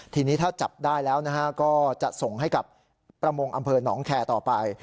ทีนี้ถ้าจับได้แล้วก็จะส่งให้กับประมงอำเภอหนองแคร์ต่อไป